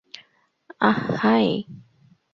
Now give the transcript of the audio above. আহ, high.